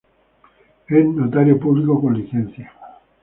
Es notario público con licencia.